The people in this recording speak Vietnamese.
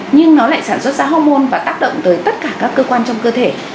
nhưng nó lại sản xuất ra hormôn và tác động tới tất cả các cơ quan trong cơ thể